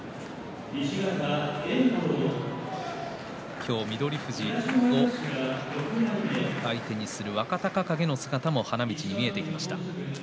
今日、翠富士を相手にする若隆景の姿も花道に見えてきました。